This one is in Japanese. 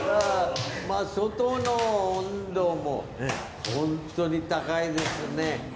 外の温度も本当に高いですね。